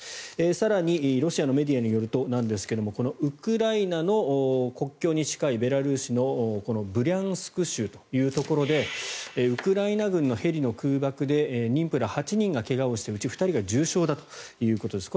更に、ロシアのメディアによるとですがウクライナの国境に近いベラルーシのブリャンスク州というところでウクライナ軍のヘリの空爆で妊婦ら８人が怪我をしてうち２人が重傷だということです。